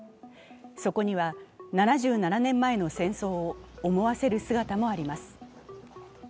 そこには７７年前の戦争を思わせる姿もあります。